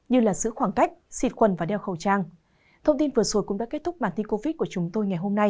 như là giữ khoảng cách xịt quần và đeo khẩu trang